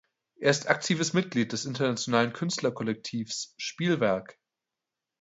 Er ist aktives Mitglied des internationalen Künstlerkollektivs "Spielwerk".